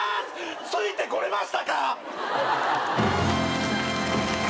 ついてこれましたか！？